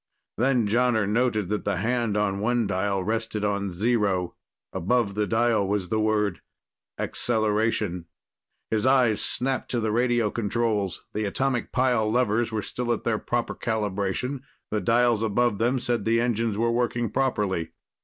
Then Jonner noted that the hand on one dial rested on zero. Above the dial was the word: "ACCELERATION." His eyes snapped to the radio controls. The atomic pile levers were still at their proper calibration. The dials above them said the engines were working properly.